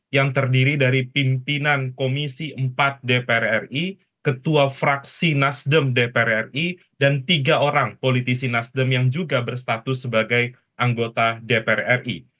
yang terdiri dari pimpinan komisi empat dpr ri ketua fraksi nasdem dpr ri dan tiga orang politisi nasdem yang juga berstatus sebagai anggota dpr ri